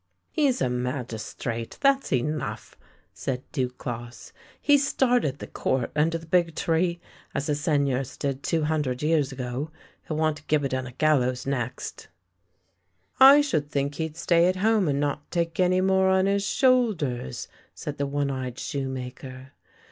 "" He's a magistrate — that's enough! " said Duclosse. " He's started the court under the big tree, as the Sei gneurs did two hundred years ago. He'll want a gibbet and a gallows next." " I should think he'd stay at home and not take more on his shoulders! " said the one eyed shoemaker.